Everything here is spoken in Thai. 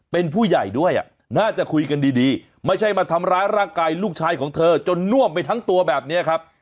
เป็นผู้ใหญ่ด้วยอ่ะน่าจะคุยกันดีไม่ใช่มาทำร้ายร่างกายลูกชายของเธอจนน่วมไปทั้งตัวแบบนี้ครับ